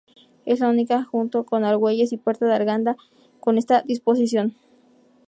Es la única junto con Argüelles y Puerta de Arganda con esta disposición.